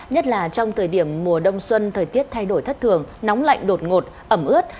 nhất là trong thời điểm mùa đông xuân thời tiết thay đổi thất thường nóng lạnh đột ngột ẩm ướt